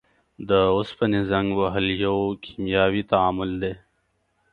د اوسپنې زنګ وهل یو کیمیاوي تعامل دی.